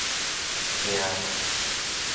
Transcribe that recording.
錠